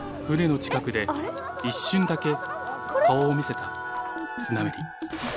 船の近くで一瞬だけ顔を見せたスナメリ。